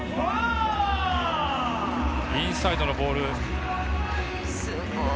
インサイドのボール。